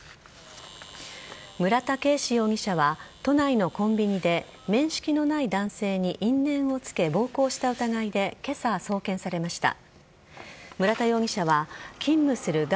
村田圭司容疑者は都内のコンビニで面識のない男性に因縁をつけ暴行した疑いで今朝、送検されました。